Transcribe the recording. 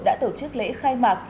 đã tổ chức lễ khai mạc